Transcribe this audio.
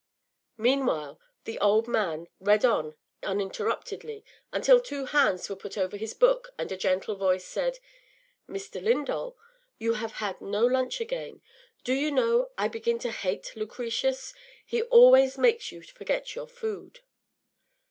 Meanwhile the old man read on uninterruptedly until two hands were put over his book and a gentle voice said: “Mr. Lindall, you have had no lunch again. Do you know, I begin to hate Lucretius. He always makes you forget your food.